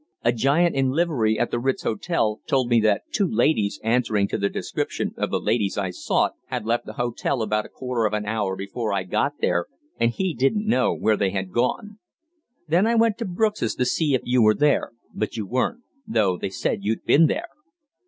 A giant in livery at the Ritz Hotel told me that 'two ladies answering to the description of the ladies I sought' had left the hotel about a quarter of an hour before I got there, and he didn't know where they had gone. Then I went to Brooks's to see if you were there, but you weren't, though they said you'd been there.